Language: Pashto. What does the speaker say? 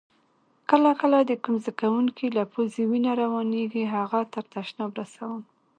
کله کله د کوم زده کونکي له پوزې وینه روانیږي هغه تر تشناب رسوم.